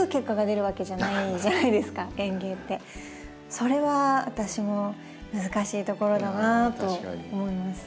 それは私も難しいところだなと思います。